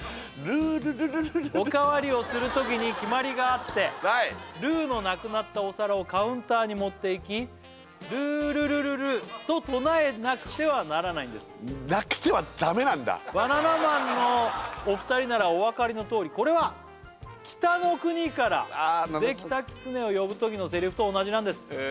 ルールルルルお代わりをするときに決まりがあってルーのなくなったお皿をカウンターに持っていきルールルルルと唱えなくてはならないんですなくては駄目なんだバナナマンのお二人ならお分かりのとおりこれは「北の国から」でキタキツネを呼ぶときのセリフと同じなんですへえ